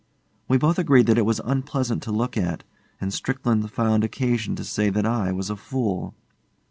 We both agreed that it was unpleasant to look at, and Strickland found occasion to say that I was a fool.